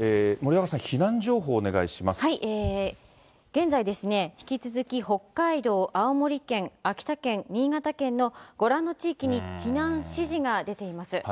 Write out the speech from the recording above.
森若さん、現在、引き続き北海道、青森県、秋田県、新潟県のご覧の地域に避難指示が出ています。